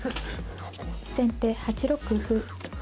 先手８六歩。